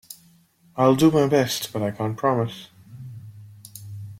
I'll do my best, but I can't promise.